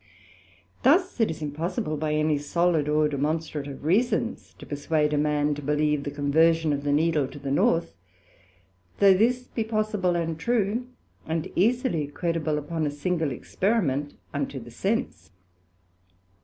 Thus it is impossible by any solid or demonstrative reasons to perswade a man to believe the conversion of the Needle to the North; though this be possible and true, and easily credible, upon a single experiment unto the sense.